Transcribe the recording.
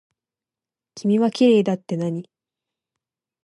君はきれいだってなに。